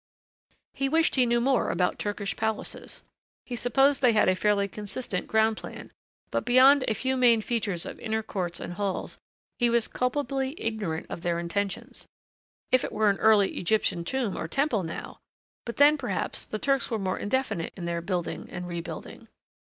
He wished he knew more about Turkish palaces. He supposed they had a fairly consistent ground plan, but beyond a few main features of inner courts and halls he was culpably ignorant of their intentions. If it were an early Egyptian tomb or temple now! But then, perhaps the Turks were more indefinite in their building and rebuilding.